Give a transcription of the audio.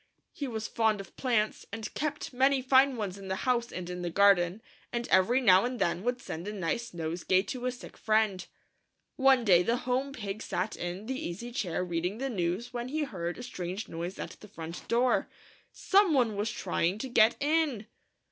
He was fond of plants, and kept many fine ones in the house and in the garden, and every now and then would send a nice nosegay to a sick friend. One day the home Pig sat in the easy chair reading the news when he heard a strange noise at the front door. Some one was trying to get in